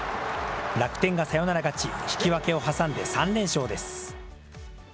楽天がサヨナラ勝ち、引き分けを挟んで３連勝です。